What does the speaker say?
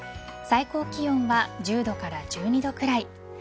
最高気温は１０度から１２度くらい。